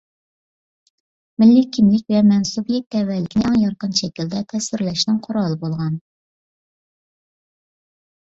مىللىي كىملىك ۋە مەنسۇبىيەت تەۋەلىكىنى ئەڭ يارقىن شەكىلدە تەسۋىرلەشنىڭ قورالى بولغان.